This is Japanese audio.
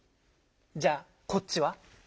じゃあこっちは？